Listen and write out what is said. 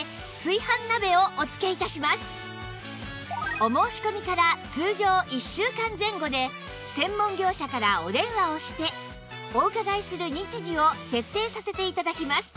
お申し込みから通常１週間前後で専門業者からお電話をしてお伺いする日時を設定させて頂きます